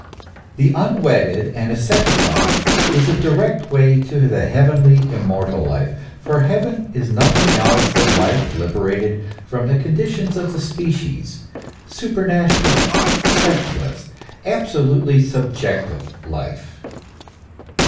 THE onwedded and ascetic life is the direct way to the heavenly, immortal life, for heaven is nothing else than life liberated from the conditions of the species, supernatural, sexless, abso lutely subjective life.